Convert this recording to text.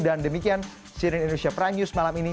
dan demikian siren indonesia pranyu semalam ini